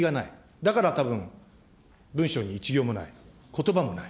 だからたぶん、文書に一行もない、ことばもない。